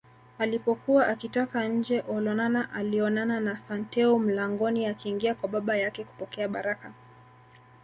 Alipokuwa akitoka nje Olonana alionana na Santeu mlangoni akiingia kwa baba yake kupokea baraka